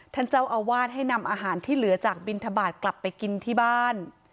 ท่านเจ้าอาวาสให้นำอาหารที่เหลือจากบินทบาทกลับไปกินที่บ้าน